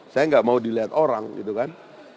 saya nggak mau dilihat orang gitu kan